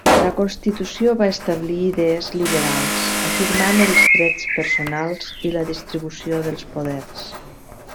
La Constitució va establir idees liberals, afirmant els drets personals i la distribució dels poders.